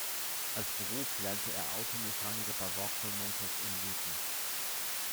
Als Beruf lernte er Automechaniker bei Vauxhall Motors in Luton.